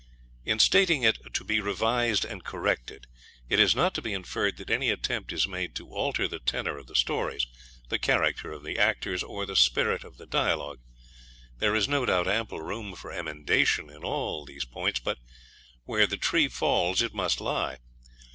In stating it to be revised and corrected, it is not to be inferred that any attempt is made to alter the tenor of the stories, the character of the actors, or the spirit of the dialogue. There is no doubt ample room for emendation in all these points, but where the tree falls it must lie.